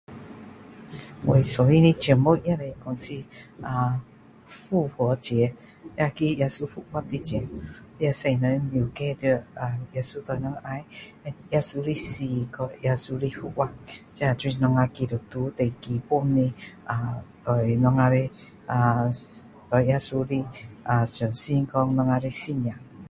我喜欢的节目也是说是复活节那个耶稣复活的节目那使人了解到耶稣的爱耶稣的死耶稣的复活这都是我们基督徒最基本的啊对我们的啊对耶稣的相信讲我们的信仰